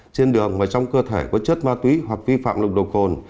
trên đường và trong cơ thể có chất ma túy hoặc vi phạm lục độ cồn